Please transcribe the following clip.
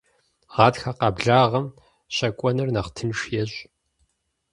Гъатхэ къэблагъэм щэкӀуэныр нэхъ тынш ещӀ.